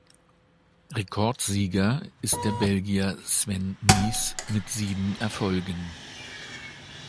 Rekordsieger ist der Belgier Sven Nys mit sieben Erfolgen.